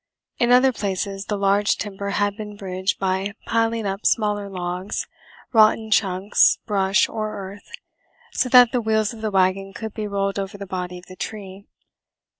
In other places the large timber had been bridged by piling up smaller logs, rotten chunks, brush, or earth, so that the wheels of the wagon could be rolled over the body of the tree.